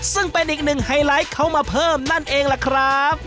ซึ่งเป็นอีกหนึ่งไฮไลท์เขามาเพิ่มนั่นเองล่ะครับ